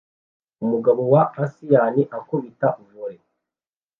umugabo wa asiyani akubita volley